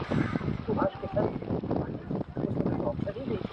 • دې دوستی ته خو هیڅ لاره نه جوړیږي,